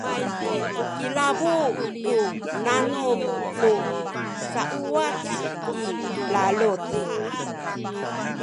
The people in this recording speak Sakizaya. ilabu ku nanum nu sauwac i lalud